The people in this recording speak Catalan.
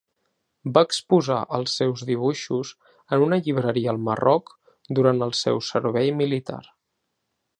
Va exposar els seus dibuixos en una llibreria al Marroc durant el seu servei militar.